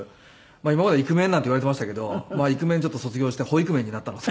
今までイクメンなんていわれていましたけどまあイクメンちょっと卒業してホイクメンになったので。